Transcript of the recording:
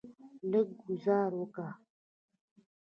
لږه ګوزاره وکه.